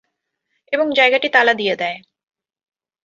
এবং জায়গাটি তালা দিয়ে দেয়।